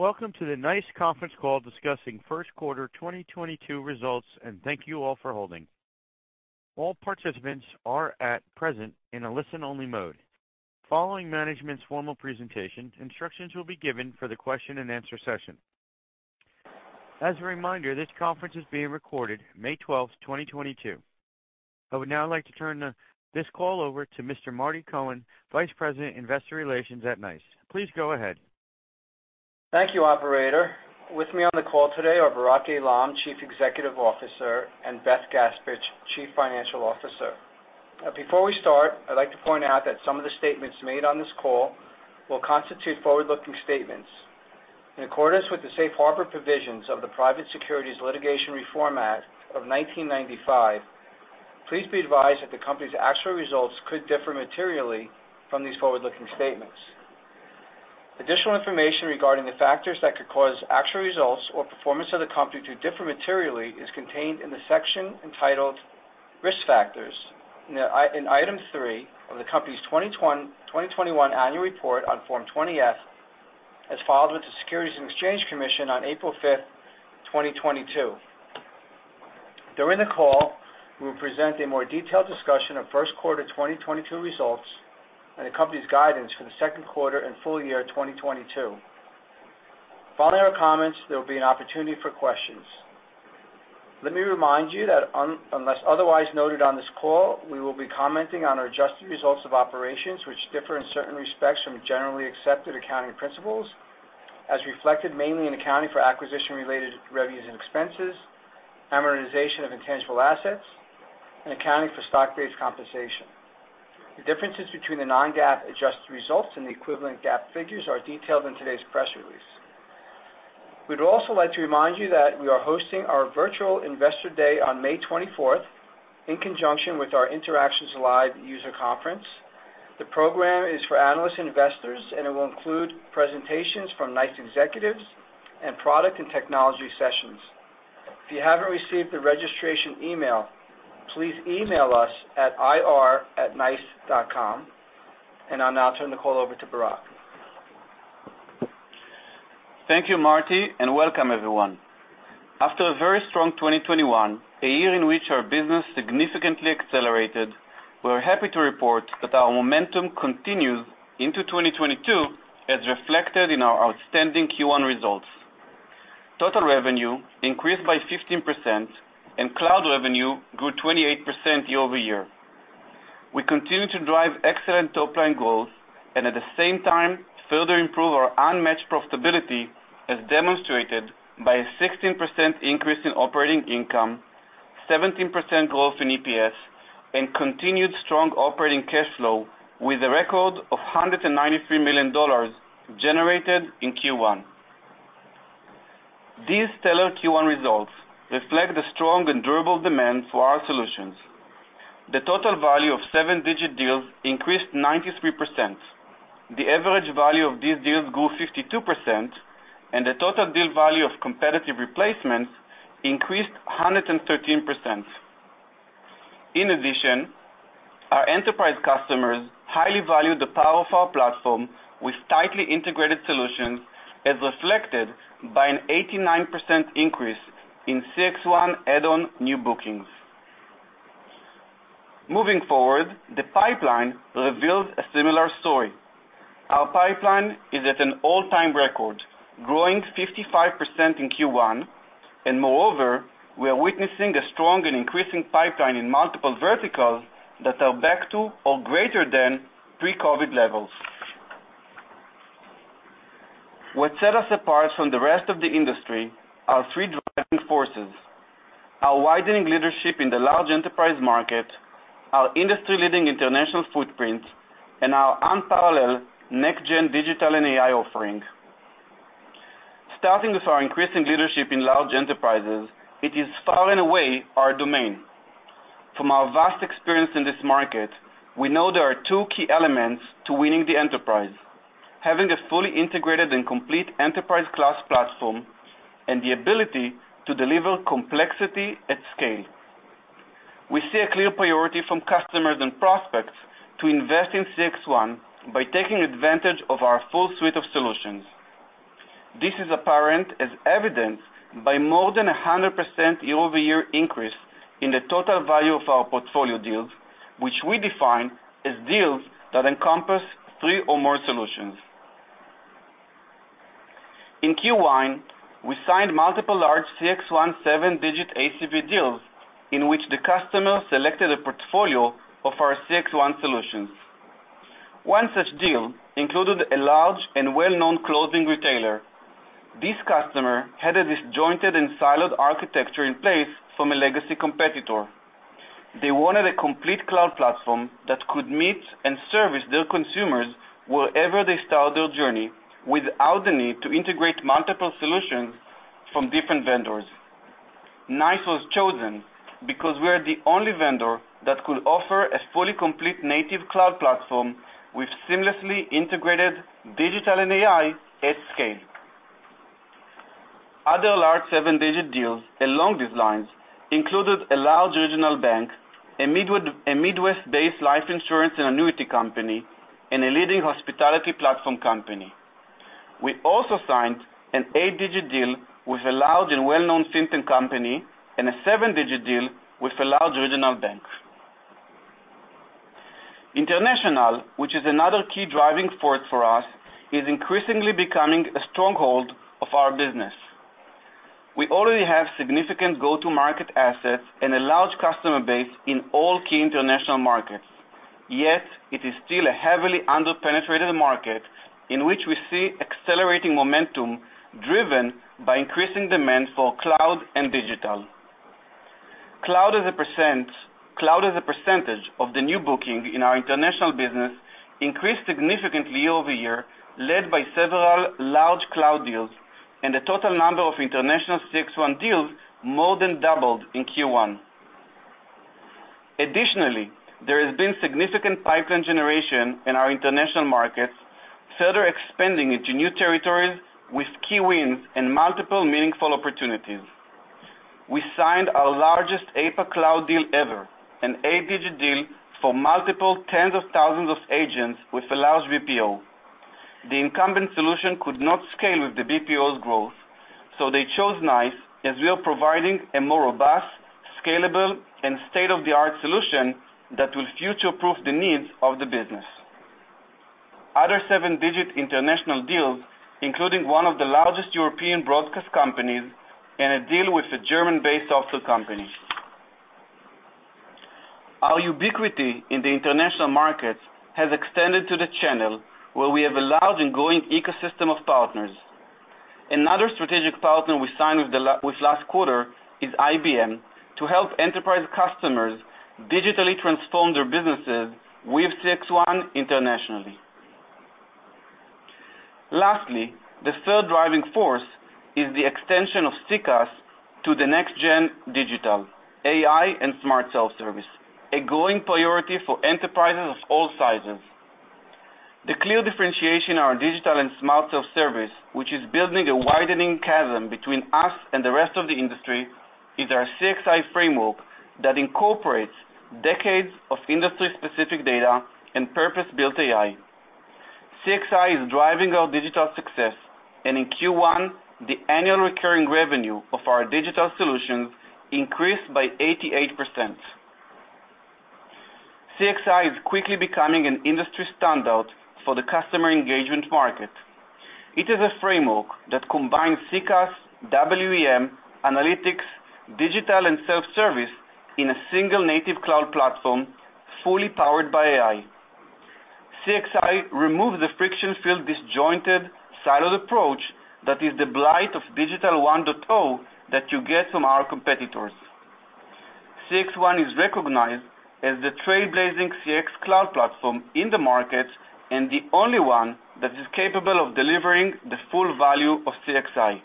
Welcome to the NICE conference call discussing Q1 2022 results, and thank you all for holding. All participants are at present in a listen-only mode. Following management's formal presentation, instructions will be given for the question and answer session. As a reminder, this conference is being recorded May 12, 2022. I would now like to turn this call over to Mr. Marty Cohen, Vice President, Investor Relations at NICE. Please go ahead. Thank you, operator. With me on the call today are Barak Eilam, Chief Executive Officer, and Beth Gaspich, Chief Financial Officer. Now, before we start, I'd like to point out that some of the statements made on this call will constitute forward-looking statements. In accordance with the safe harbor provisions of the Private Securities Litigation Reform Act of 1995, please be advised that the company's actual results could differ materially from these forward-looking statements. Additional information regarding the factors that could cause actual results or performance of the company to differ materially is contained in the section entitled Risk Factors in item three of the company's 2021 annual report on Form 20-F, as filed with the Securities and Exchange Commission on April 5, 2022. During the call, we will present a more detailed discussion of Q1 2022 results and the company's guidance for the Q2 and full year 2022. Following our comments, there will be an opportunity for questions. Let me remind you that unless otherwise noted on this call, we will be commenting on our adjusted results of operations, which differ in certain respects from generally accepted accounting principles, as reflected mainly in accounting for acquisition-related revenues and expenses, amortization of intangible assets, and accounting for stock-based compensation. The differences between the non-GAAP adjusted results and the equivalent GAAP figures are detailed in today's press release. We'd also like to remind you that we are hosting our virtual Investor Day on May 24th, in conjunction with our Interactions Live user conference. The program is for analysts and investors, and it will include presentations from NICE executives and product and technology sessions. If you haven't received the registration email, please email us at ir@nice.com. I'll now turn the call over to Barak. Thank you, Marty, and welcome everyone. After a very strong 2021, a year in which our business significantly accelerated, we're happy to report that our momentum continues into 2022, as reflected in our outstanding Q1 results. Total revenue increased by 15% and cloud revenue grew 28% year-over-year. We continue to drive excellent top-line growth and at the same time, further improve our unmatched profitability, as demonstrated by a 16% increase in operating income, 17% growth in EPS, and continued strong operating cash flow with a record of $193 million generated in Q1. These stellar Q1 results reflect the strong and durable demand for our solutions. The total value of seven-digit deals increased 93%. The average value of these deals grew 52%, and the total deal value of competitive replacements increased 113%. In addition, our enterprise customers highly value the power of our platform with tightly integrated solutions, as reflected by an 89% increase in CXone add-on new bookings. Moving forward, the pipeline reveals a similar story. Our pipeline is at an all-time record, growing 55% in Q1. Moreover, we are witnessing a strong and increasing pipeline in multiple verticals that are back to or greater than pre-COVID levels. What set us apart from the rest of the industry are three driving forces. Our widening leadership in the large enterprise market, our industry-leading international footprint, and our unparalleled next-gen digital and AI offering. Starting with our increasing leadership in large enterprises, it is far and away our domain. From our vast experience in this market, we know there are two key elements to winning the enterprise. Having a fully integrated and complete enterprise-class platform and the ability to deliver complexity at scale. We see a clear priority from customers and prospects to invest in CXone by taking advantage of our full suite of solutions. This is apparent as evidenced by more than 100% year-over-year increase in the total value of our portfolio deals, which we define as deals that encompass three or more solutions. In Q1, we signed multiple large CXone seven-digit ACV deals in which the customer selected a portfolio of our CXone solutions. One such deal included a large and well-known clothing retailer. This customer had a disjointed and siloed architecture in place from a legacy competitor. They wanted a complete cloud platform that could meet and service their consumers wherever they start their journey, without the need to integrate multiple solutions from different vendors. NICE was chosen because we are the only vendor that could offer a fully complete native cloud platform with seamlessly integrated digital and AI at scale. Other large seven-digit deals along these lines included a large regional bank, a Midwest-based life insurance and annuity company, and a leading hospitality platform company. We also signed an eight-digit deal with a large and well-known fintech company and a seven-digit deal with a large regional bank. International, which is another key driving force for us, is increasingly becoming a stronghold of our business. We already have significant go-to market assets and a large customer base in all key international markets. Yet, it is still a heavily under-penetrated market in which we see accelerating momentum driven by increasing demand for cloud and digital. Cloud as a percent. Cloud as a percentage of the new booking in our international business increased significantly over the year, led by several large cloud deals and the total number of international CXone deals more than doubled in Q1. Additionally, there has been significant pipeline generation in our international markets, further expanding into new territories with key wins and multiple meaningful opportunities. We signed our largest APAC cloud deal ever, an eight-digit deal for multiple tens of thousands of agents with a large BPO. The incumbent solution could not scale with the BPO's growth, so they chose NICE as we are providing a more robust, scalable, and state-of-the-art solution that will future-proof the needs of the business. Other seven-digit international deals, including one of the largest European broadcast companies and a deal with a German-based software company. Our ubiquity in the international markets has extended to the channel, where we have a large and growing ecosystem of partners. Another strategic partner we signed with last quarter is IBM, to help enterprise customers digitally transform their businesses with CXone internationally. Lastly, the third driving force is the extension of CCaaS to the next gen digital, AI, and smart self-service, a growing priority for enterprises of all sizes. The clear differentiation in our digital and smart self-service, which is building a widening chasm between us and the rest of the industry, is our CXI framework that incorporates decades of industry-specific data and purpose-built AI. CXI is driving our digital success, and in Q1, the annual recurring revenue of our digital solutions increased by 88%. CXI is quickly becoming an industry standard for the customer engagement market. It is a framework that combines CCaaS, WEM, analytics, digital and self-service in a single native cloud platform, fully powered by AI. CXI removes the friction-filled, disjointed, siloed approach that is the blight of digital 1.0 that you get from our competitors. CXone is recognized as the trailblazing CX cloud platform in the market and the only one that is capable of delivering the full value of CXI.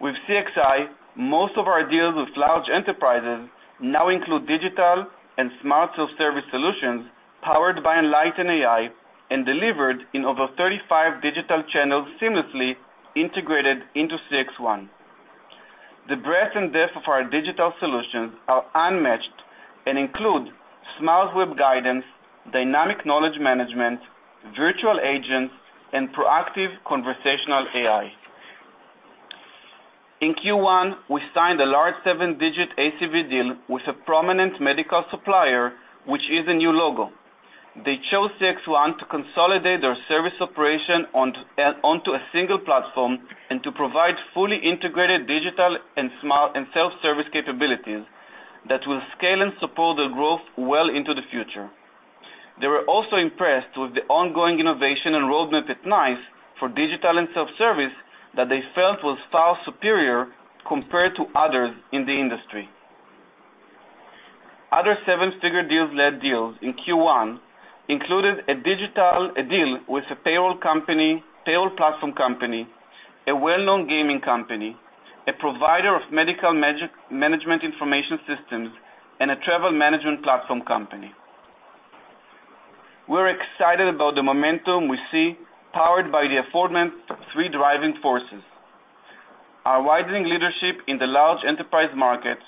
With CXI, most of our deals with large enterprises now include digital and smart self-service solutions powered by Enlighten AI and delivered in over 35 digital channels seamlessly integrated into CXone. The breadth and depth of our digital solutions are unmatched and include smart web guidance, dynamic knowledge management, virtual agents, and proactive conversational AI. In Q1, we signed a large seven-digit ACV deal with a prominent medical supplier, which is a new logo. They chose CXone to consolidate their service operation onto a single platform and to provide fully integrated digital and smart and self-service capabilities that will scale and support their growth well into the future. They were also impressed with the ongoing innovation and roadmap at NICE for digital and self-service that they felt was far superior compared to others in the industry. Other seven-figure deals in Q1 included a digital deal with a payroll company, payroll platform company, a well-known gaming company, a provider of medical management information systems, and a travel management platform company. We're excited about the momentum we see powered by the aforementioned three driving forces. Our widening leadership in the large enterprise markets,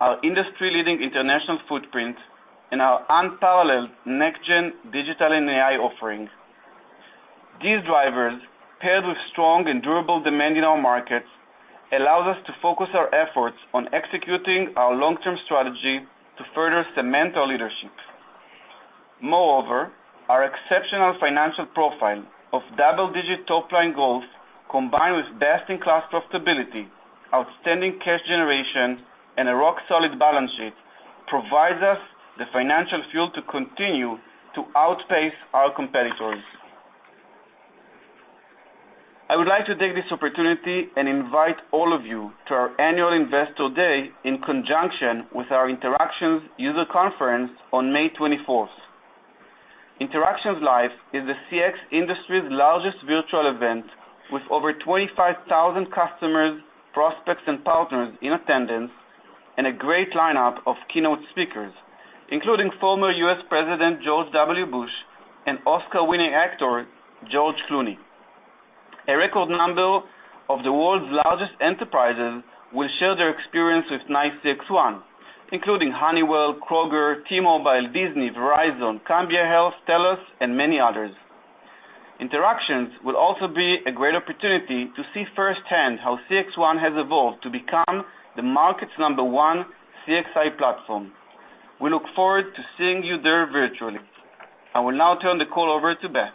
our industry-leading international footprint, and our unparalleled next gen digital and AI offerings. These drivers, paired with strong and durable demand in our markets, allows us to focus our efforts on executing our long-term strategy to further cement our leadership. Moreover, our exceptional financial profile of double-digit top-line growth, combined with best-in-class profitability, outstanding cash generation, and a rock-solid balance sheet, provides us the financial fuel to continue to outpace our competitors. I would like to take this opportunity and invite all of you to our annual Investor Day in conjunction with our Interactions user conference on May 24th. Interactions Live is the CX industry's largest virtual event with over 25,000 customers, prospects, and partners in attendance. A great lineup of keynote speakers, including former U.S. President George W. Bush and Oscar-winning actor George Clooney. A record number of the world's largest enterprises will share their experience with NICE CXone, including Honeywell, Kroger, T-Mobile, Disney, Verizon, Cambia Health, TELUS, and many others. Interactions will also be a great opportunity to see firsthand how CXone has evolved to become the market's number one CXI platform. We look forward to seeing you there virtually. I will now turn the call over to Beth.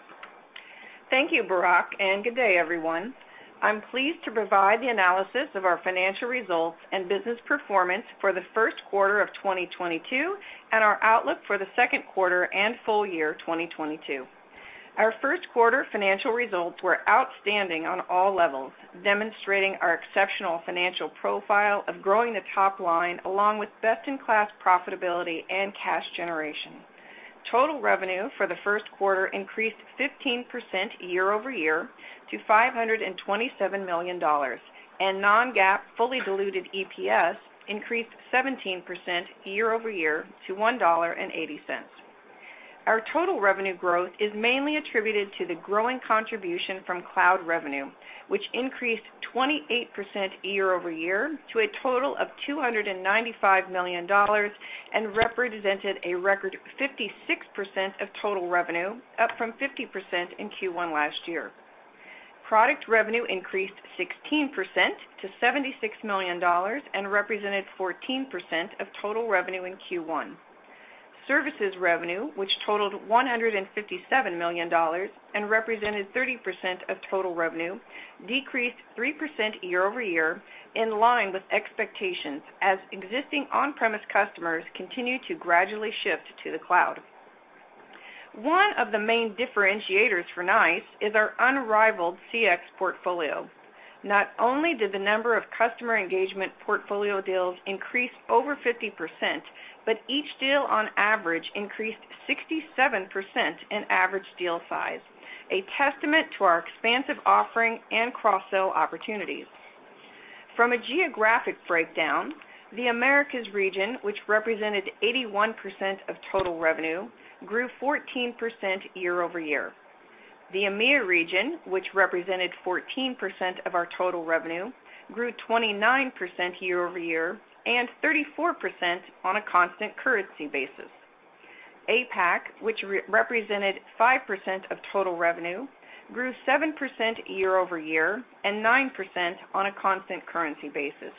Thank you, Barak, and good day everyone. I'm pleased to provide the analysis of our financial results and business performance for the first quarter of 2022, and our outlook for the second quarter and full year 2022. Our first quarter financial results were outstanding on all levels, demonstrating our exceptional financial profile of growing the top line, along with best-in-class profitability and cash generation. Total revenue for the first quarter increased 15% year-over-year to $527 million. non-GAAP fully diluted EPS increased 17% year-over-year to $1.80. Our total revenue growth is mainly attributed to the growing contribution from cloud revenue, which increased 28% year-over-year to a total of $295 million, and represented a record 56% of total revenue, up from 50% in Q1 last year. Product revenue increased 16% to $76 million, and represented 14% of total revenue in Q1. Services revenue, which totaled $157 million and represented 30% of total revenue, decreased 3% year-over-year in line with expectations as existing on-premise customers continued to gradually shift to the cloud. One of the main differentiators for NICE is our unrivaled CX portfolio. Not only did the number of customer engagement portfolio deals increase over 50%, but each deal on average increased 67% in average deal size, a testament to our expansive offering and cross-sell opportunities. From a geographic breakdown, the Americas region, which represented 81% of total revenue, grew 14% year-over-year. The EMEIA region, which represented 14% of our total revenue, grew 29% year-over-year, and 34% on a constant currency basis. APAC, which represented 5% of total revenue, grew 7% year-over-year, and 9% on a constant currency basis.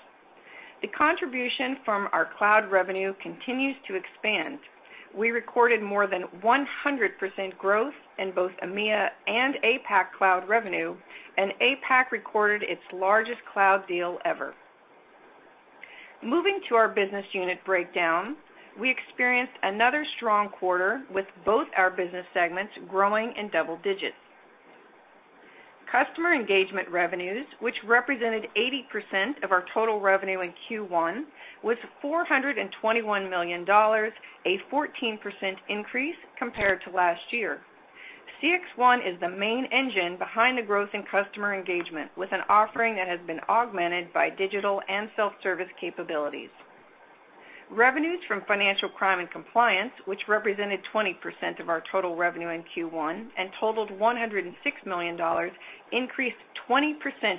The contribution from our cloud revenue continues to expand. We recorded more than 100% growth in both EMEIA and APAC cloud revenue, and APAC recorded its largest cloud deal ever. Moving to our business unit breakdown, we experienced another strong quarter with both our business segments growing in double digits. Customer engagement revenues, which represented 80% of our total revenue in Q1, was $421 million, a 14% increase compared to last year. CXone is the main engine behind the growth in customer engagement, with an offering that has been augmented by digital and self-service capabilities. Revenues from financial crime and compliance, which represented 20% of our total revenue in Q1 and totaled $106 million, increased 20%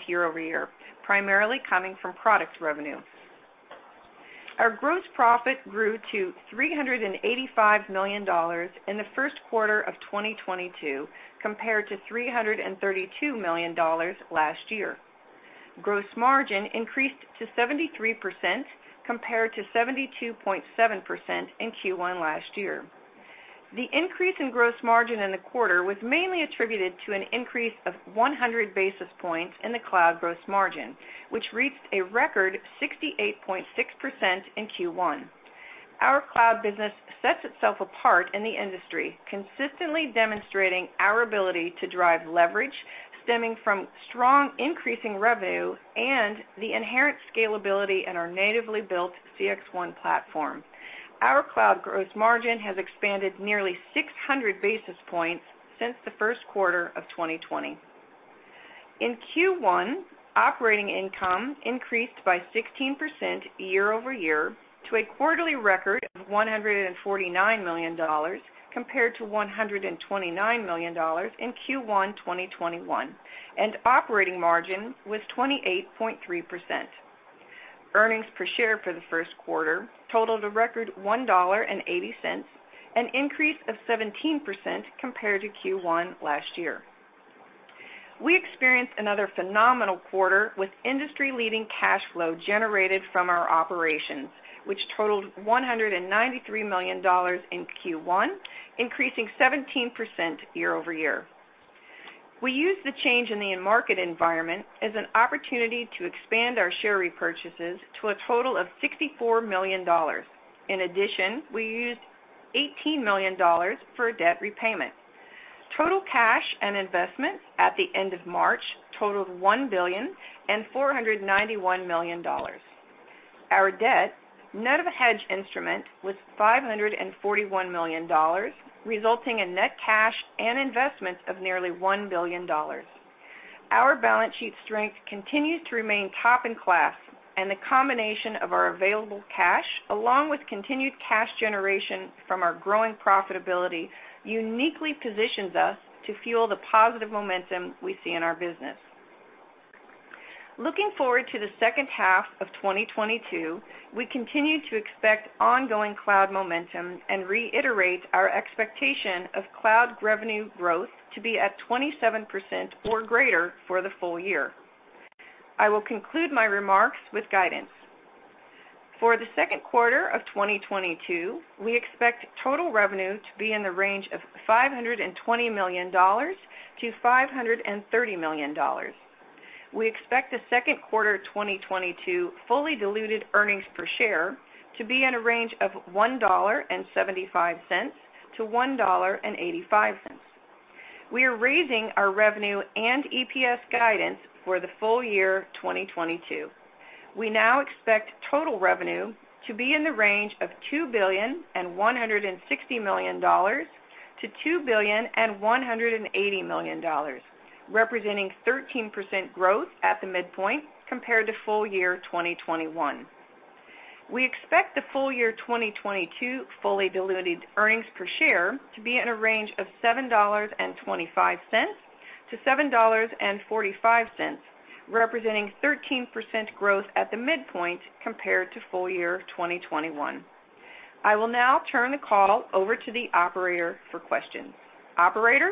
year-over-year, primarily coming from product revenue. Our gross profit grew to $385 million in the first quarter of 2022 compared to $332 million last year. Gross margin increased to 73% compared to 72.7% in Q1 last year. The increase in gross margin in the quarter was mainly attributed to an increase of 100 basis points in the cloud gross margin, which reached a record 68.6% in Q1. Our cloud business sets itself apart in the industry, consistently demonstrating our ability to drive leverage stemming from strong increasing revenue and the inherent scalability in our natively built CXone platform. Our cloud gross margin has expanded nearly 600 basis points since the first quarter of 2020. In Q1, operating income increased by 16% year-over-year to a quarterly record of $149 million compared to $129 million in Q1 2021. Operating margin was 28.3%. Earnings per share for the first quarter totaled a record $1.80, an increase of 17% compared to Q1 last year. We experienced another phenomenal quarter with industry-leading cash flow generated from our operations, which totaled $193 million in Q1, increasing 17% year-over-year. We used the change in the end market environment as an opportunity to expand our share repurchases to a total of $64 million. In addition, we used $18 million for debt repayment. Total cash and investments at the end of March totaled $1.491 billion. Our debt, net of a hedge instrument, was $541 million, resulting in net cash and investments of nearly $1 billion. Our balance sheet strength continues to remain top in class, and the combination of our available cash, along with continued cash generation from our growing profitability, uniquely positions us to fuel the positive momentum we see in our business. Looking forward to the H2 of 2022, we continue to expect ongoing cloud momentum and reiterate our expectation of cloud revenue growth to be at 27% or greater for the full year. I will conclude my remarks with guidance. For the second quarter of 2022, we expect total revenue to be in the range of $520 million-$530 million. We expect the Q2 2022 fully diluted earnings per share to be in a range of $1.75-$1.85. We are raising our revenue and EPS guidance for the full year 2022. We now expect total revenue to be in the range of $2.16 billion-$2.18 billion, representing 13% growth at the midpoint compared to full year 2021. We expect the full year 2022 fully diluted earnings per share to be in a range of $7.25-$7.45, representing 13% growth at the midpoint compared to full year 2021. I will now turn the call over to the operator for questions. Operator?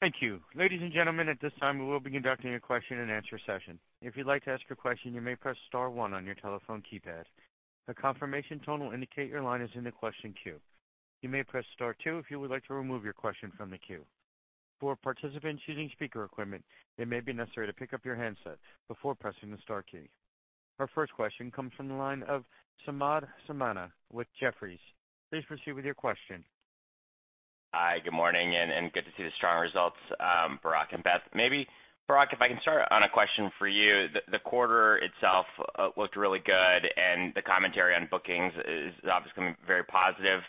Thank you. Ladies and gentlemen, at this time, we will be conducting a question and answer session. If you'd like to ask a question, you may press star one on your telephone keypad. A confirmation tone will indicate your line is in the question queue. You may press star two if you would like to remove your question from the queue. For participants using speaker equipment, it may be necessary to pick up your handset before pressing the star key. Our first question comes from the line of Samad Samana with Jefferies. Please proceed with your question. Hi, good morning, and good to see the strong results, Barak and Beth. Maybe, Barak, if I can start on a question for you. The quarter itself looked really good, and the commentary on bookings is obviously very positive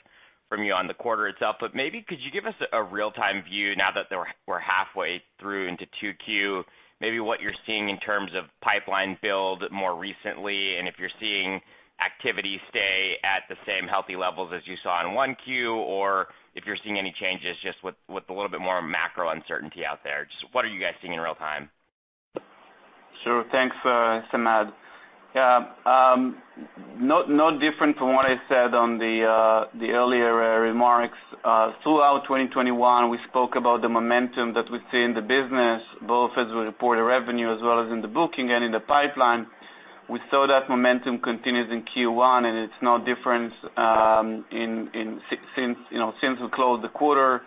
from you on the quarter itself. Maybe could you give us a real-time view now that we're halfway through Q2, maybe what you're seeing in terms of pipeline build more recently, and if you're seeing activity stay at the same healthy levels as you saw in Q1, or if you're seeing any changes just with a little bit more macro uncertainty out there. Just what are you guys seeing in real time? Sure. Thanks, Samad. Yeah. No different from what I said on the earlier remarks. Throughout 2021, we spoke about the momentum that we see in the business, both as we reported revenue as well as in the booking and in the pipeline. We saw that momentum continues in Q1, and it's no different since, you know, since we closed the quarter.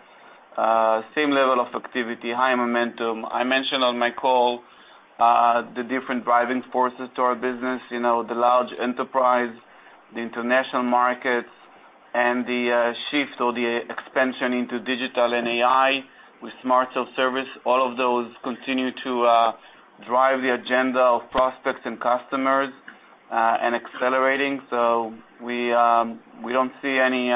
Same level of activity, high momentum. I mentioned on my call the different driving forces to our business. You know, the large enterprise, the international markets, and the shift or the expansion into digital and AI with smart self-service. All of those continue to drive the agenda of prospects and customers and accelerating. We don't see any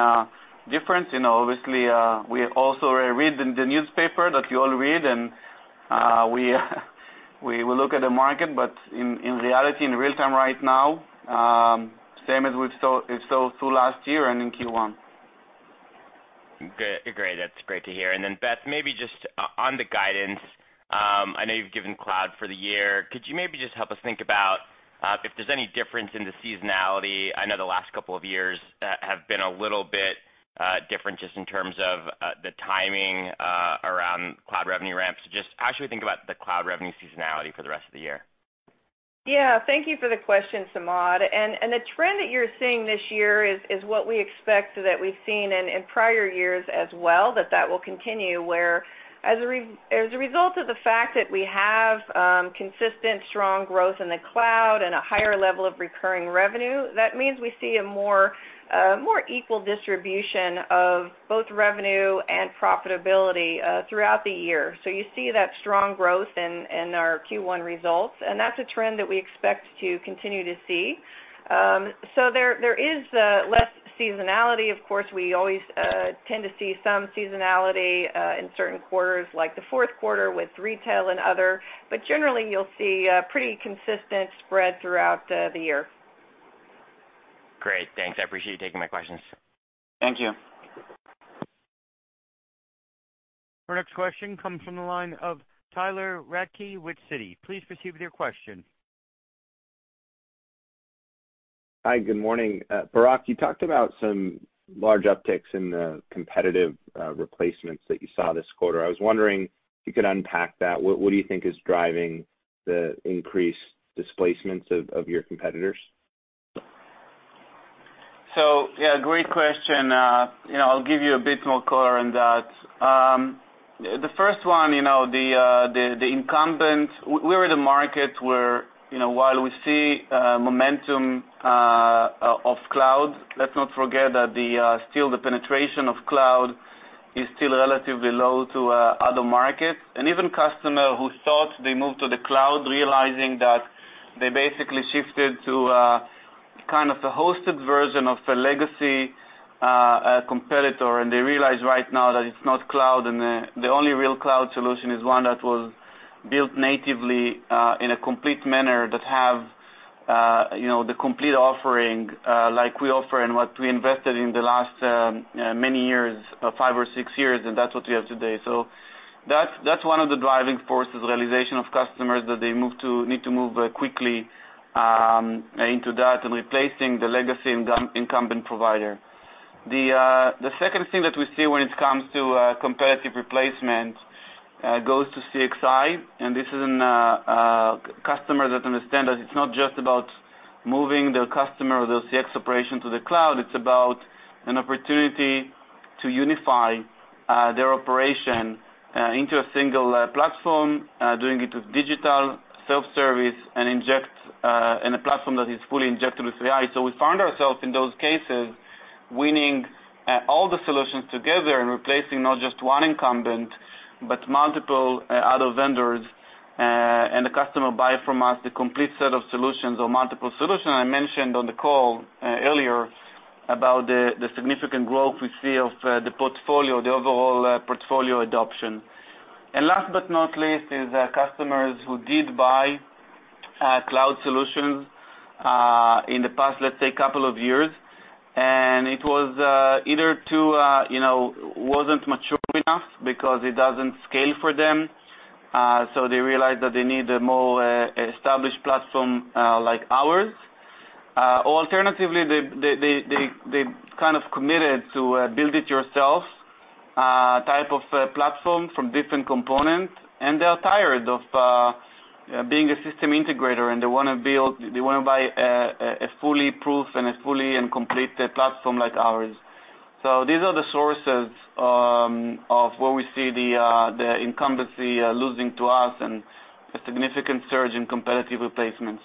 difference. You know, obviously, we also read in the newspaper that you all read and, we will look at the market, but in reality, in real time right now, same as we've saw, it saw through last year and in Q1. Great. That's great to hear. Beth, maybe just on the guidance, I know you've given cloud for the year. Could you maybe just help us think about if there's any difference in the seasonality? I know the last couple of years have been a little bit different just in terms of the timing around cloud revenue ramps. Just how should we think about the cloud revenue seasonality for the rest of the year? Yeah. Thank you for the question, Samad. The trend that you're seeing this year is what we expect, that we've seen in prior years as well, that will continue, where as a result of the fact that we have consistent strong growth in the cloud and a higher level of recurring revenue, that means we see a more equal distribution of both revenue and profitability throughout the year. You see that strong growth in our Q1 results, and that's a trend that we expect to continue to see. There is less seasonality. Of course, we always tend to see some seasonality in certain quarters, like the Q4 with retail and other. Generally, you'll see pretty consistent spread throughout the year. Great. Thanks. I appreciate you taking my questions. Thank you. Our next question comes from the line of Tyler Radke with Citi. Please proceed with your question. Hi, good morning. Barak, you talked about some large upticks in the competitive replacements that you saw this quarter. I was wondering if you could unpack that. What do you think is driving the increased displacements of your competitors? Yeah, great question. You know, I'll give you a bit more color on that. The first one, you know, the incumbent, we're in a market where, you know, while we see momentum of cloud, let's not forget that still the penetration of cloud is still relatively low to other markets. Even customer who thought they moved to the cloud realizing that they basically shifted to kind of the hosted version of the legacy competitor. They realize right now that it's not cloud, and the only real cloud solution is one that was built natively in a complete manner that have you know the complete offering like we offer and what we invested in the last many years, five or six years, and that's what we have today. That's one of the driving forces, the realization of customers that they need to move quickly into that and replacing the legacy incumbent provider. The second thing that we see when it comes to competitive replacement goes to CXI, and this is in customers that understand that it's not just about moving their customer or their CX operation to the cloud, it's about an opportunity to unify their operation into a single platform doing it with digital self-service and inject in a platform that is fully injected with AI. We found ourselves in those cases, winning all the solutions together and replacing not just one incumbent, but multiple other vendors. The customer buy from us the complete set of solutions or multiple solutions. I mentioned on the call earlier about the significant growth we see of the portfolio, the overall portfolio adoption. Last but not least, is customers who did buy cloud solutions in the past, let's say, couple of years. It was either too, you know, wasn't mature enough because it doesn't scale for them, so they realized that they need a more established platform like ours. Or alternatively, they kind of committed to build it yourself type of platform from different components, and they are tired of being a system integrator, and they wanna buy a foolproof and complete platform like ours. These are the sources of where we see the incumbency losing to us and a significant surge in competitive replacements.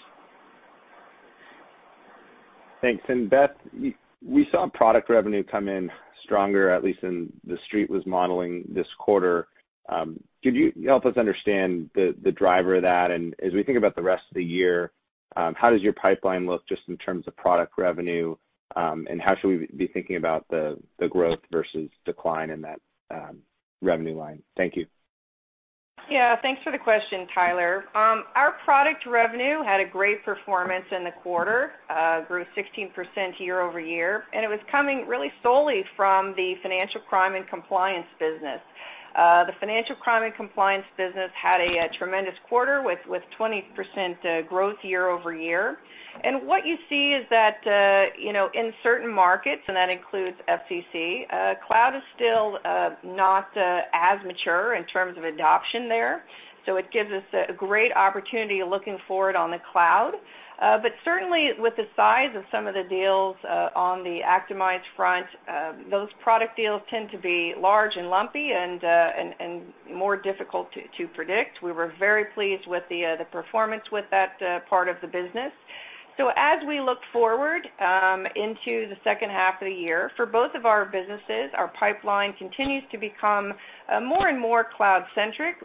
Thanks. Beth, we saw product revenue come in stronger, at least in The Street was modeling this quarter. Could you help us understand the driver of that? As we think about the rest of the year, how does your pipeline look just in terms of product revenue? How should we be thinking about the growth versus decline in that revenue line? Thank you. Yeah. Thanks for the question, Tyler. Our product revenue had a great performance in the quarter, grew 16% year-over-year, and it was coming really solely from the financial crime and compliance business. The financial crime and compliance business had a tremendous quarter with 20% growth year-over-year. What you see is that, you know, in certain markets, and that includes FCC, cloud is still not as mature in terms of adoption there. It gives us a great opportunity looking forward on the cloud. But certainly, with the size of some of the deals, on the Actimize front, those product deals tend to be large and lumpy and more difficult to predict. We were very pleased with the performance with that part of the business. As we look forward into the second half of the year, for both of our businesses, our pipeline continues to become more and more cloud-centric.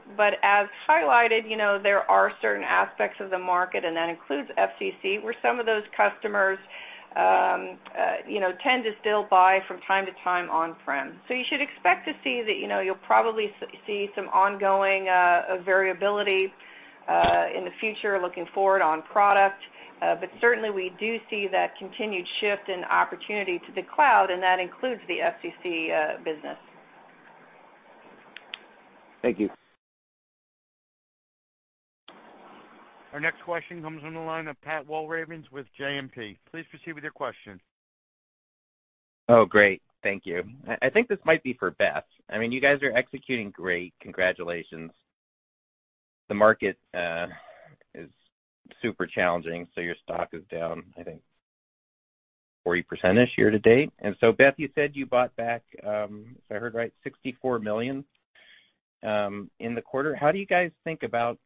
As highlighted, you know, there are certain aspects of the market, and that includes FCC, where some of those customers tend to still buy from time to time on-prem. You should expect to see that, you know, you'll probably see some ongoing variability in the future looking forward on product. Certainly, we do see that continued shift in opportunity to the cloud, and that includes the FCC business. Thank you. Our next question comes from the line of Pat Walravens with JMP. Please proceed with your question. Oh, great. Thank you. I think this might be for Beth. I mean, you guys are executing great. Congratulations. The market is super challenging, so your stock is down, I think, 40%-ish year to date. Beth, you said you bought back, if I heard right, $64 million in the quarter. How do you guys think about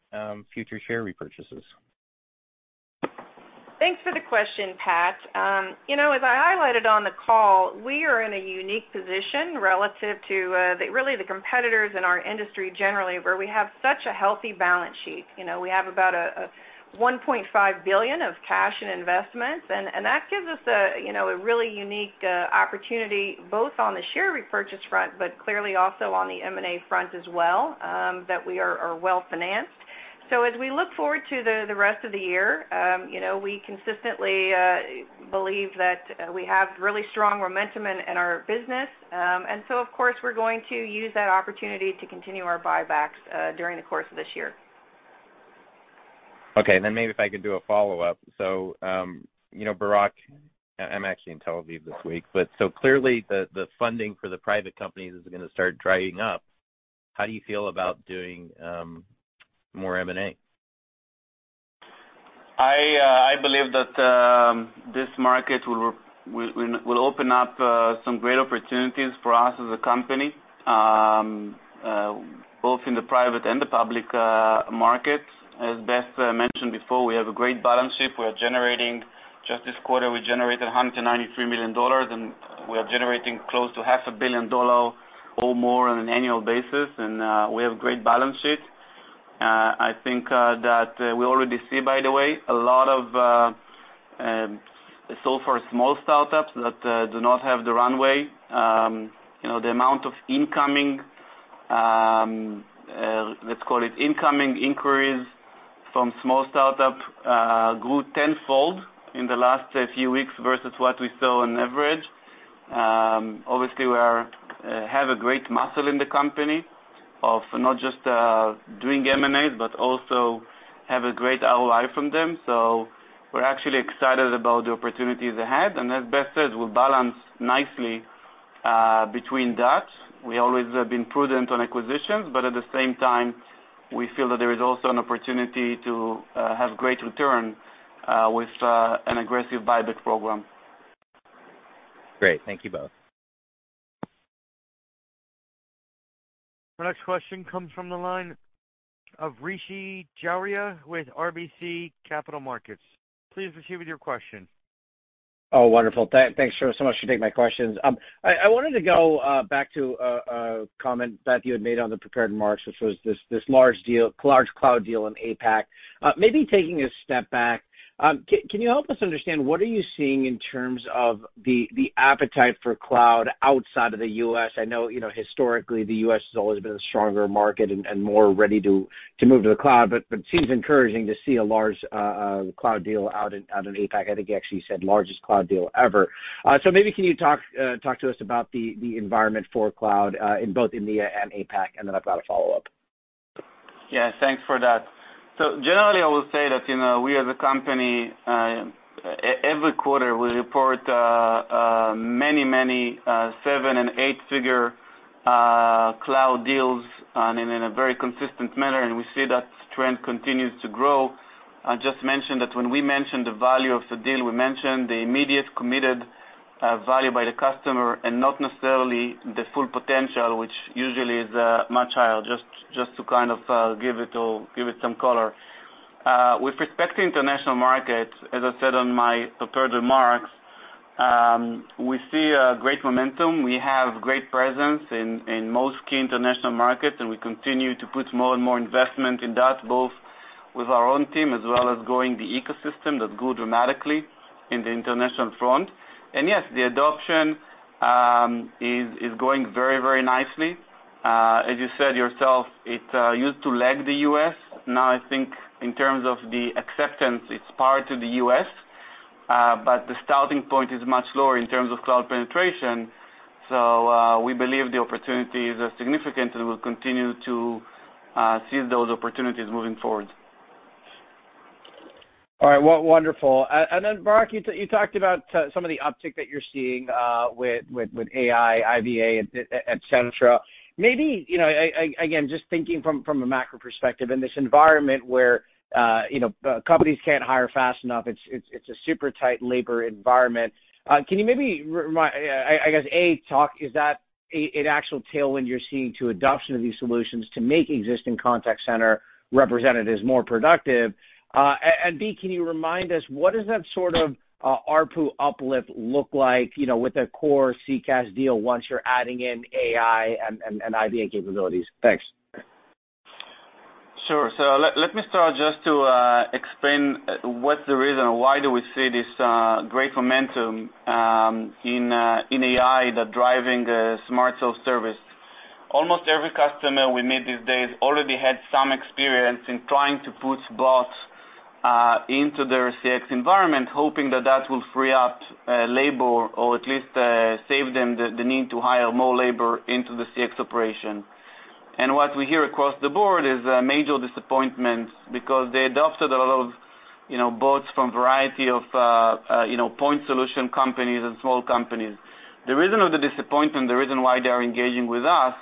future share repurchases? Thanks for the question, Pat. You know, as I highlighted on the call, we are in a unique position relative to the really the competitors in our industry generally, where we have such a healthy balance sheet. You know, we have about $1.5 billion of cash and investments, and that gives us a you know a really unique opportunity both on the share repurchase front, but clearly also on the M&A front as well that we are well-financed. As we look forward to the rest of the year, you know, we consistently believe that we have really strong momentum in our business. Of course, we're going to use that opportunity to continue our buybacks during the course of this year. Okay. Maybe if I could do a follow-up. You know, Barak, I'm actually in Tel Aviv this week, but so clearly the funding for the private companies is gonna start drying up. How do you feel about doing more M&A? I believe that this market will open up some great opportunities for us as a company, both in the private and the public markets. As Beth mentioned before, we have a great balance sheet. Just this quarter, we generated $193 million, and we are generating close to half a billion dollars or more on an annual basis, and we have a great balance sheet. I think that we already see, by the way, a lot. So for small startups that do not have the runway, you know, the amount of incoming, let's call it, incoming inquiries from small startups grew tenfold in the last few weeks versus what we saw on average. Obviously we have a great muscle in the company of not just doing M&As but also have a great ROI from them. We're actually excited about the opportunities ahead. As Beth said, we balance nicely between that. We always have been prudent on acquisitions, but at the same time, we feel that there is also an opportunity to have great return with an aggressive buyback program. Great. Thank you both. Our next question comes from the line of Rishi Jaluria with RBC Capital Markets. Please proceed with your question. Oh, wonderful. Thanks so much for taking my questions. I wanted to go back to a comment, Beth, you had made on the prepared remarks, which was this large cloud deal in APAC. Maybe taking a step back, can you help us understand what are you seeing in terms of the appetite for cloud outside of the U.S.? I know historically the U.S. has always been a stronger market and more ready to move to the cloud, but it seems encouraging to see a large cloud deal out in APAC. I think you actually said largest cloud deal ever. Maybe can you talk to us about the environment for cloud in both India and APAC, and then I've got a follow-up. Yeah. Thanks for that. Generally, I will say that, you know, we as a company every quarter we report many 7- and 8-figure cloud deals in a very consistent manner, and we see that trend continues to grow. I just mentioned that when we mention the value of the deal, we mention the immediate committed value by the customer and not necessarily the full potential, which usually is much higher. Just to kind of give it some color. With respect to international markets, as I said in my prepared remarks, we see a great momentum. We have great presence in most key international markets, and we continue to put more and more investment in that, both with our own team as well as growing the ecosystem that grew dramatically in the international front. Yes, the adoption is going very, very nicely. As you said yourself, it used to lag the U.S. Now, I think in terms of the acceptance, it's on par with the U.S., but the starting point is much lower in terms of cloud penetration. We believe the opportunities are significant, and we'll continue to seize those opportunities moving forward. All right. Well, wonderful. Then Barak, you talked about some of the uptick that you're seeing with AI, IVA, et cetera. Maybe, you know, again, just thinking from a macro perspective, in this environment where you know companies can't hire fast enough, it's a super tight labor environment. Can you maybe I guess A talk is that an actual tailwind you're seeing to adoption of these solutions to make existing contact center representatives more productive? And B, can you remind us what does that sort of ARPU uplift look like, you know, with a core CCaaS deal once you're adding in AI and IVA capabilities? Thanks. Sure. Let me start just to explain what's the reason or why do we see this great momentum in AI that's driving smart self-service. Almost every customer we meet these days already had some experience in trying to put bots into their CX environment, hoping that will free up labor or at least save them the need to hire more labor into the CX operation. What we hear across the board is a major disappointment because they adopted a lot of, you know, bots from a variety of, you know, point solution companies and small companies. The reason of the disappointment, the reason why they are engaging with us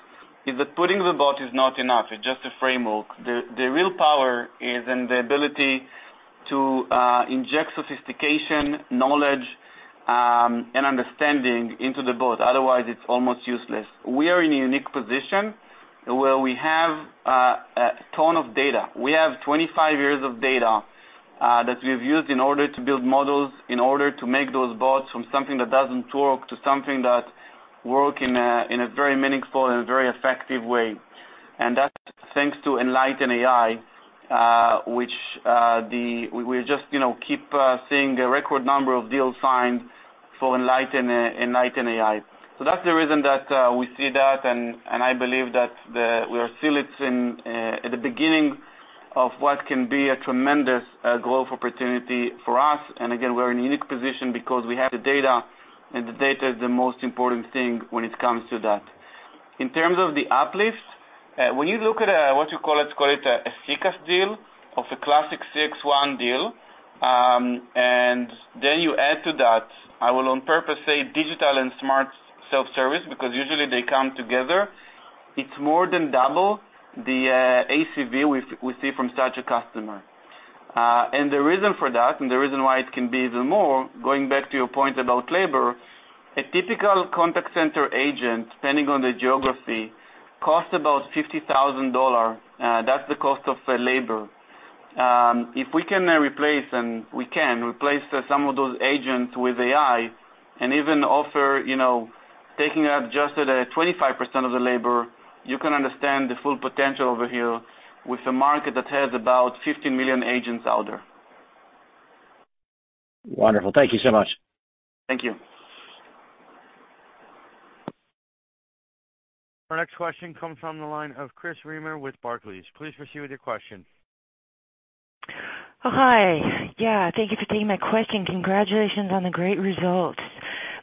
is that putting the bot is not enough. It's just a framework. The real power is in the ability to inject sophistication, knowledge, and understanding into the bot. Otherwise, it's almost useless. We are in a unique position where we have a ton of data. We have 25 years of data that we've used in order to build models, in order to make those bots from something that doesn't work to something that work in a very meaningful and very effective way. That's thanks to Enlighten AI, which we just, you know, keep seeing a record number of deals signed for Enlighten AI. That's the reason that we see that, and I believe that we are still at the beginning of what can be a tremendous growth opportunity for us. We're in a unique position because we have the data, and the data is the most important thing when it comes to that. In terms of the uplift, when you look at what you call, let's call it a CCaaS deal of a classic CXone deal, and then you add to that, I will on purpose say digital and smart self-service, because usually they come together, it's more than double the ACV we see from such a customer. And the reason for that, and the reason why it can be even more, going back to your point about labor, a typical contact center agent, depending on the geography, costs about $50,000. That's the cost of labor. If we can replace some of those agents with AI and even offer, you know, taking up just at a 25% of the labor, you can understand the full potential over here with a market that has about 15 million agents out there. Wonderful. Thank you so much. Thank you. Our next question comes from the line of Raimo Lenschow with Barclays. Please proceed with your question. Oh, hi. Yeah. Thank you for taking my question. Congratulations on the great results.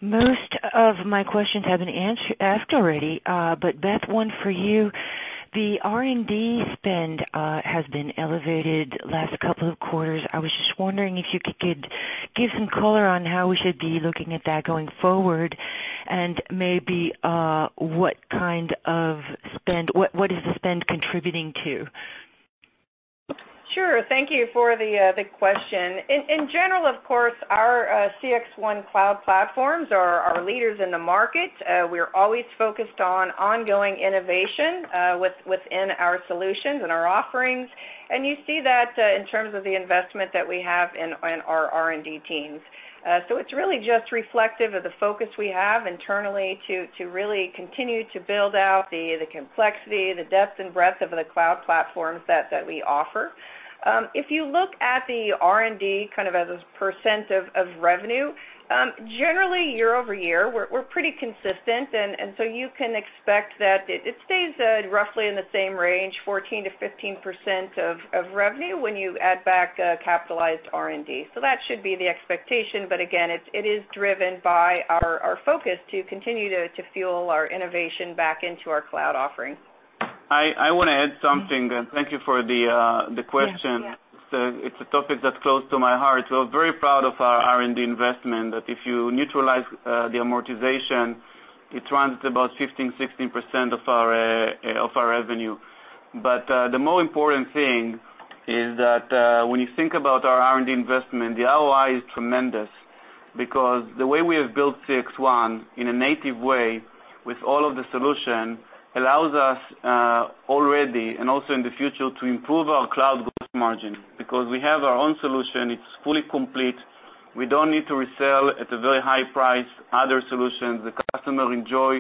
Most of my questions have been asked already, but Beth, one for you. The R&D spend has been elevated last couple of quarters. I was just wondering if you could give some color on how we should be looking at that going forward and maybe what is the spend contributing to? Sure. Thank you for the question. In general, of course, our CXone cloud platforms are leaders in the market. We're always focused on ongoing innovation within our solutions and our offerings. You see that in terms of the investment that we have in our R&D teams. It's really just reflective of the focus we have internally to really continue to build out the complexity, the depth and breadth of the cloud platforms that we offer. If you look at the R&D kind of as a % of revenue, generally year-over-year, we're pretty consistent and so you can expect that it stays roughly in the same range, 14%-15% of revenue when you add back capitalized R&D. That should be the expectation, but again, it is driven by our focus to continue to fuel our innovation back into our cloud offerings. I wanna add something. Thank you for the question. Yeah. Yeah. It's a topic that's close to my heart. Very proud of our R&D investment that if you neutralize the amortization, it runs about 15%-16% of our revenue. The more important thing is that when you think about our R&D investment, the ROI is tremendous because the way we have built CXone in a native way with all of the solution allows us already and also in the future to improve our cloud gross margin. Because we have our own solution, it's fully complete, we don't need to resell at a very high price other solutions. The customer enjoy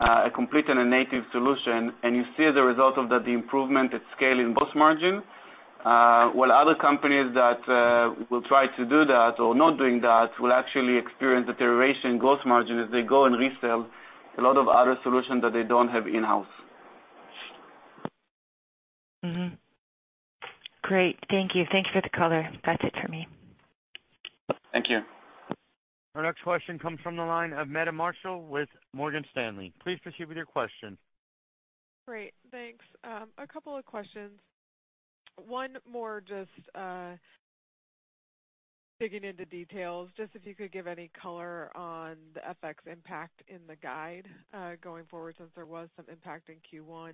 a complete and a native solution, and you see the result of that, the improvement at scale in gross margin. While other companies that will try to do that or not doing that will actually experience deterioration in gross margin as they go and resell a lot of other solutions that they don't have in-house. Great. Thank you. Thanks for the color. That's it for me. Thank you. Our next question comes from the line of Meta Marshall with Morgan Stanley. Please proceed with your question. Great. Thanks. A couple of questions. One more just digging into details, just if you could give any color on the FX impact in the guide, going forward since there was some impact in Q1.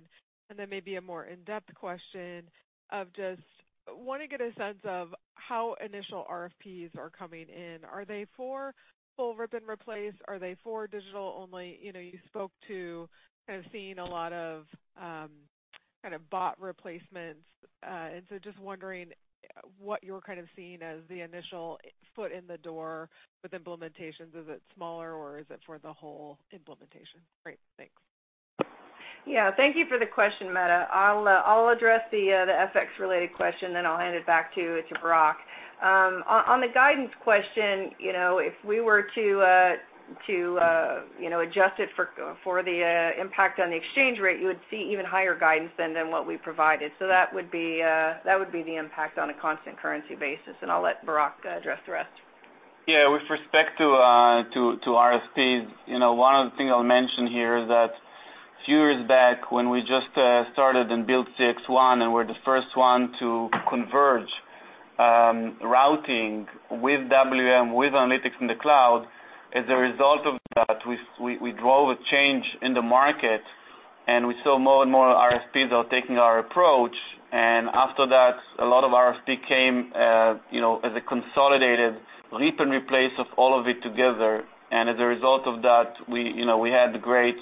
Then maybe a more in-depth question of just wanna get a sense of how initial RFPs are coming in. Are they for full rip and replace? Are they for digital only? You know, you spoke to kind of seeing a lot of, kind of bot replacements. And so just wondering what you're kind of seeing as the initial foot in the door with implementations. Is it smaller, or is it for the whole implementation? Great. Thanks. Yeah. Thank you for the question, Meta. I'll address the FX related question, then I'll hand it back to Barak. On the guidance question, you know, if we were to adjust it for the impact on the exchange rate, you would see even higher guidance than what we provided. That would be the impact on a constant currency basis, and I'll let Barak address the rest. Yeah. With respect to RFPs, you know, one of the thing I'll mention here is that a few years back when we just started and built CXone and we're the first one to converge routing with WFM, with analytics in the cloud, as a result of that, we drove a change in the market, and we saw more and more RFPs are taking our approach. After that, a lot of RFP came, you know, as a consolidated rip and replace of all of it together. As a result of that, we, you know, we had great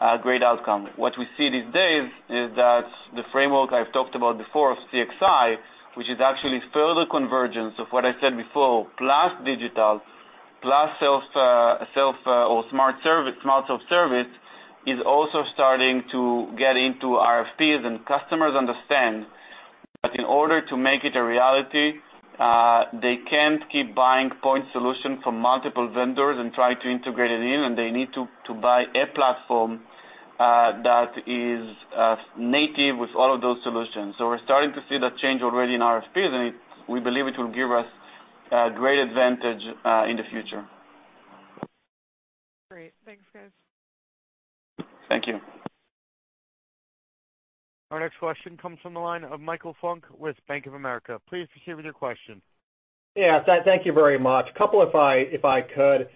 outcome. What we see these days is that the framework I've talked about before of CXI, which is actually further convergence of what I said before, plus digital, plus self-service, or smart self-service, is also starting to get into RFPs. Customers understand that in order to make it a reality, they can't keep buying point solution from multiple vendors and try to integrate it in, and they need to buy a platform that is native with all of those solutions. We're starting to see that change already in RFPs, and it, we believe, will give us great advantage in the future. Great. Thanks, guys. Thank you. Our next question comes from the line of Michael Funk with Bank of America. Please proceed with your question. Yeah. Thank you very much. A couple, if I could.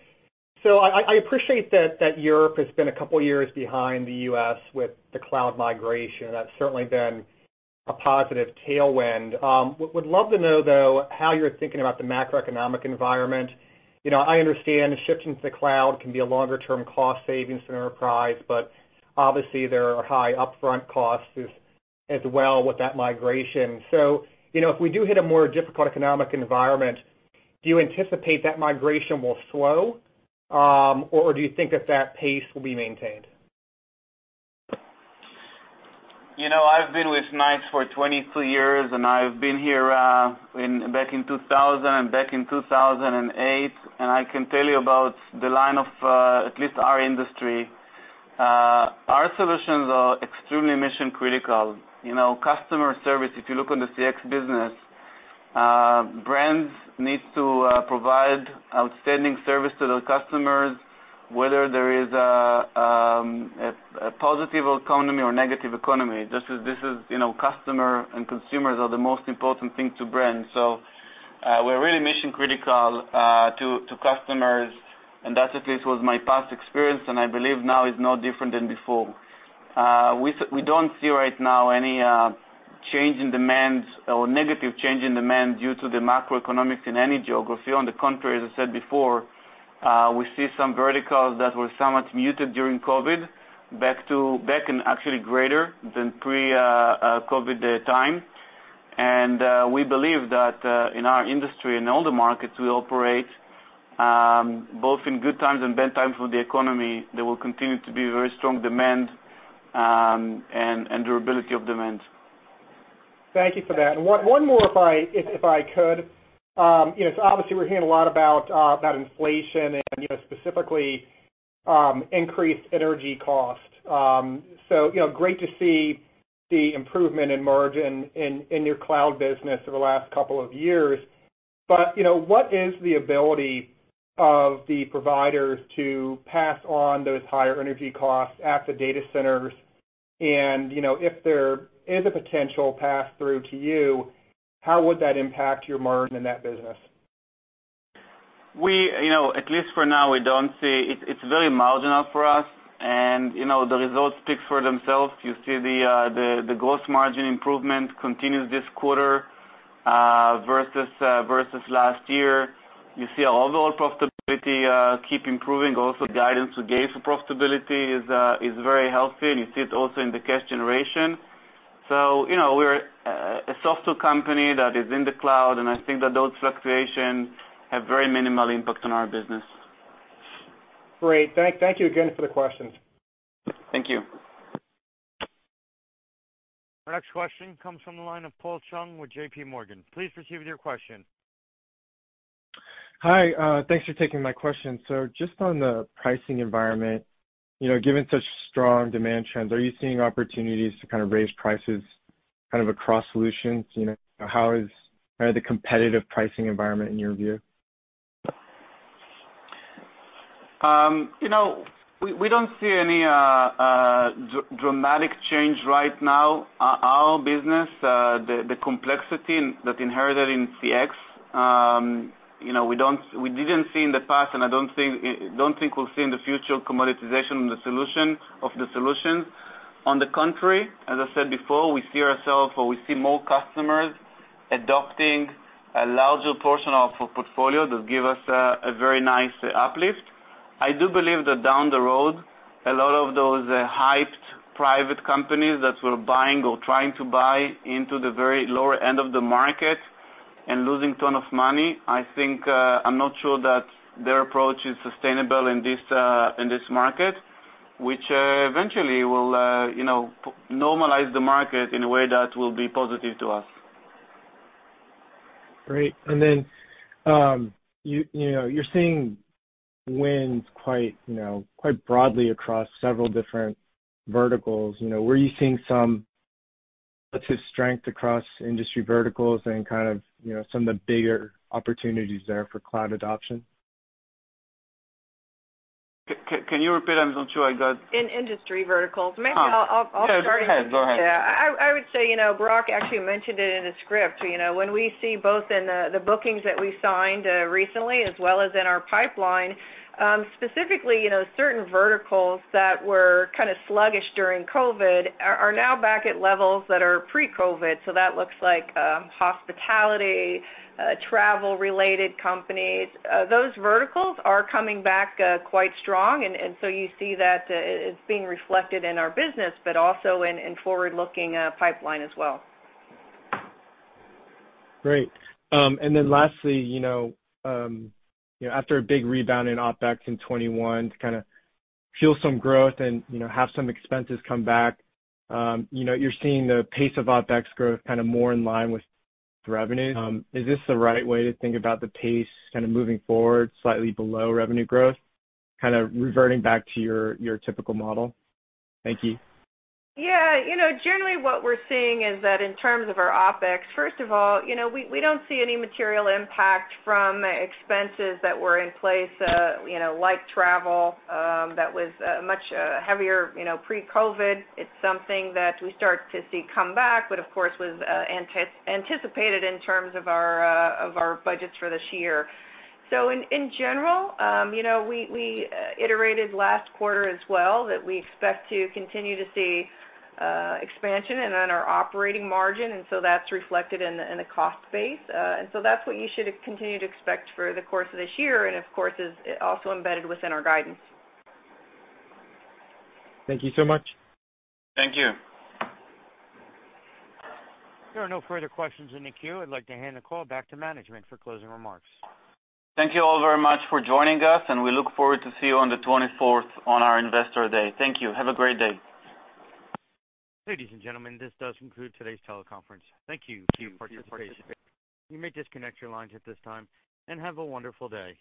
I appreciate that Europe has been a couple years behind the U.S. with the cloud migration. That's certainly been a positive tailwind. Would love to know, though, how you're thinking about the macroeconomic environment. You know, I understand shifting to the cloud can be a longer term cost savings for enterprise, but obviously there are high upfront costs as well with that migration. You know, if we do hit a more difficult economic environment Do you anticipate that migration will slow, or do you think that pace will be maintained? You know, I've been with NICE for 22 years, and I've been here back in 2000 and back in 2008, and I can tell you about the lay of the land at least in our industry. Our solutions are extremely mission-critical. You know, customer service, if you look on the CX business, brands need to provide outstanding service to their customers, whether there is a positive economy or negative economy. This is, you know, customers and consumers are the most important thing to brands. We're really mission-critical to customers, and that at least was my past experience, and I believe now is no different than before. We don't see right now any change in demands or negative change in demand due to the macroeconomics in any geography. On the contrary, as I said before, we see some verticals that were somewhat muted during COVID back and actually greater than pre-COVID time. We believe that in our industry and all the markets we operate both in good times and bad times for the economy, there will continue to be very strong demand and durability of demand. Thank you for that. One more if I could. You know, obviously we're hearing a lot about inflation and, you know, specifically, increased energy costs. You know, great to see the improvement in margin in your cloud business over the last couple of years. You know, what is the ability of the providers to pass on those higher energy costs at the data centers? You know, if there is a potential pass-through to you, how would that impact your margin in that business? You know, at least for now, we don't see. It's very marginal for us, and you know, the results speak for themselves. You see the gross margin improvement continues this quarter versus last year. You see overall profitability keep improving, also guidance we gave for profitability is very healthy, and you see it also in the cash generation. You know, we're a software company that is in the cloud, and I think that those fluctuations have very minimal impact on our business. Great. Thank you again for the questions. Thank you. Our next question comes from the line of Paul Chung with JPMorgan. Please proceed with your question. Hi, thanks for taking my question. Just on the pricing environment, you know, given such strong demand trends, are you seeing opportunities to kind of raise prices kind of across solutions, you know? How is kind of the competitive pricing environment in your view? You know, we don't see any dramatic change right now. Our business, the complexity that inherent in CX, you know, we didn't see in the past, and I don't think we'll see in the future commoditization in the solutions. On the contrary, as I said before, we see ourselves or we see more customers adopting a larger portion of our portfolio that give us a very nice uplift. I do believe that down the road, a lot of those hyped private companies that were buying or trying to buy into the very lower end of the market and losing a ton of money, I think. I'm not sure that their approach is sustainable in this market, which will, you know, normalize the market in a way that will be positive to us. Great. You know, you're seeing wins quite, you know, quite broadly across several different verticals, you know. Were you seeing some relative strength across industry verticals and kind of, you know, some of the bigger opportunities there for cloud adoption? Can you repeat them so I got- In industry verticals. Maybe I'll start. Sure. Go ahead. Yeah. I would say, you know, Barak actually mentioned it in his script, you know. When we see both in the bookings that we signed recently as well as in our pipeline, specifically, you know, certain verticals that were kind of sluggish during COVID are now back at levels that are pre-COVID. That looks like hospitality, travel-related companies. Those verticals are coming back quite strong. You see that it's being reflected in our business, but also in forward-looking pipeline as well. Great. Lastly, you know, after a big rebound in OpEx in 2021 to kind of fuel some growth and, you know, have some expenses come back, you know, you're seeing the pace of OpEx growth kind of more in line with revenue. Is this the right way to think about the pace kind of moving forward slightly below revenue growth, kind of reverting back to your typical model? Thank you. Yeah. You know, generally what we're seeing is that in terms of our OpEx, first of all, you know, we don't see any material impact from expenses that were in place, you know, like travel, that was much heavier, you know, pre-COVID. It's something that we start to see come back, but of course, was anticipated in terms of our budgets for this year. In general, you know, we iterated last quarter as well that we expect to continue to see expansion in our operating margin, and so that's reflected in the cost base. That's what you should continue to expect for the course of this year and of course is also embedded within our guidance. Thank you so much. Thank you. There are no further questions in the queue. I'd like to hand the call back to management for closing remarks. Thank you all very much for joining us, and we look forward to see you on the twenty-fourth on our Investor Day. Thank you. Have a great day. Ladies and gentlemen, this does conclude today's teleconference. Thank you for your participation. You may disconnect your lines at this time, and have a wonderful day.